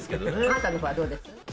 あなたの方はどうです？